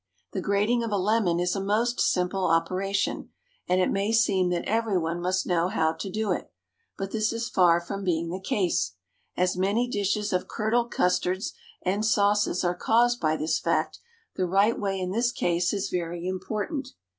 The grating of a lemon is a most simple operation, and it may seem that every one must know how to do it; but this is far from being the case. As many dishes of curdled custards and sauces are caused by this fact, the right way in this case is very important.